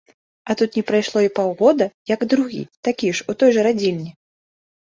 А тут не прайшло і паўгода, як другі, такі ж, у той жа радзільні.